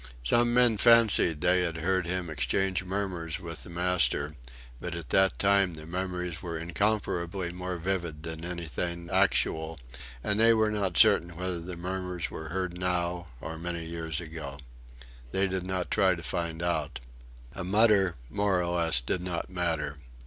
Some men fancied they had heard him exchange murmurs with the master, but at that time the memories were incomparably more vivid than anything actual, and they were not certain whether the murmurs were heard now or many years ago. They did not try to find out. A mutter more or less did not matter.